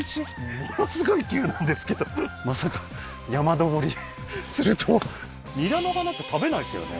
ものすごい急なんですけどまさか山登りするとはニラの花って食べないですよね？